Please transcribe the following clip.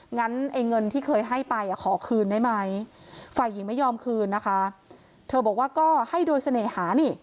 งั้นไอ้เงินที่เคยให้ไปอ่ะขอคืนได้ไหมฝ่ายหญิงไม่ยอมคืนนะคะเธอบอกว่าก็ให้โดยเสน่หานี่